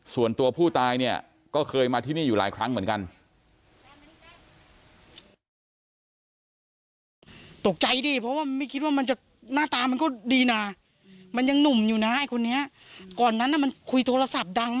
ส่วนตัวผู้ตายเนี่ยก็เคยมาที่นี่อยู่หลายครั้งเหมือนกัน